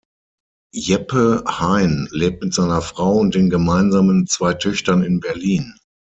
Jeppe Hein lebt mit seiner Frau und den gemeinsamen zwei Töchtern in Berlin.